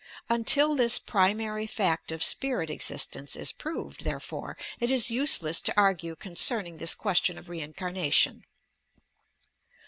Until this primary fact of spirit existence is proved, therefore, it is useless to argue concerning this question of reincarnation.